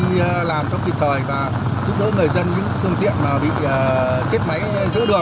và phường khai quang xuất hiện nhiều điểm ngập nặng